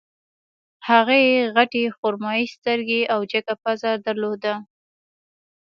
هغې غټې خرمايي سترګې او جګه پزه درلوده